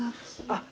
あっ！